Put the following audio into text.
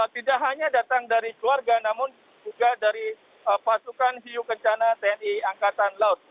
tidak hanya datang dari keluarga namun juga dari pasukan hiu kencana tni angkatan laut